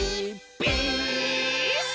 ピース！」